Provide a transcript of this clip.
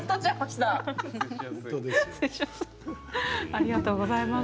ありがとうございます。